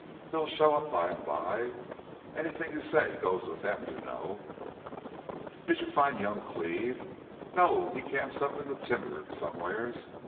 "They'll show up by an' by. Anythin' you say goes with them, you know." "Did you find young Cleve?" "No. He camps up in the timber somewheres.